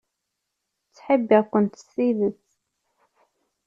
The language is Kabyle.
Ttḥibbiɣ-kent s tidet.